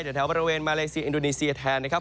แถวบริเวณมาเลเซียอินโดนีเซียแทนนะครับ